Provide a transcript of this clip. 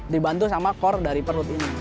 dibantu sama core dari perut ini